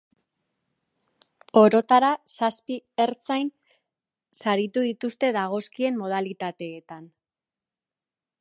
Orotara, zazpi ertzain saritu dituzte dagozkien modalitateetan.